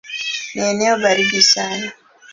Ni eneo baridi sana.